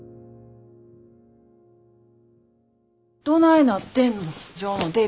どないなってんの？